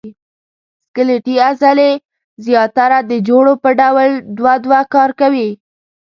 سکلیټي عضلې زیاتره د جوړو په ډول دوه دوه کار کوي.